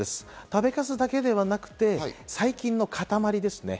食べかすだけではなくて細菌のかたまりですね。